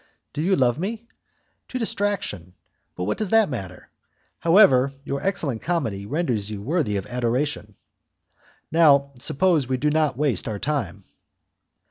"Do you love me?" "To distraction! but what does it matter? However, your excellent comedy renders you worthy of adoration. Now, suppose we do not waste our time."